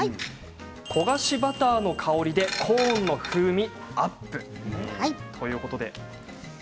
焦がしバターの香りでコーンの風味をアップということです。